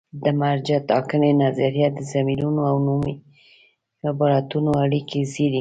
د مرجع ټاکنې نظریه د ضمیرونو او نومي عبارتونو اړیکې څېړي.